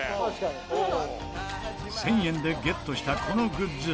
１０００円でゲットしたこのグッズ。